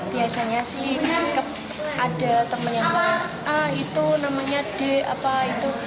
biasanya sih ada temen yang ah itu namanya d apa itu